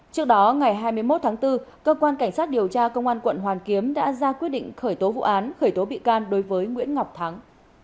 trước đó ngày hai mươi một tháng bốn cơ quan cảnh sát điều tra công an quận hoàn kiếm đã ra quyết định khởi tố vụ án khởi tố bị can đối với nguyễn ngọc thắng